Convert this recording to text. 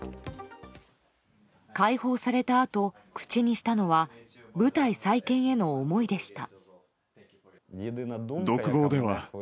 解放されたあと、口にしたのは部隊再建への思いでした。